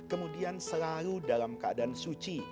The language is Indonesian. kemudian selalu dalam keadaan suci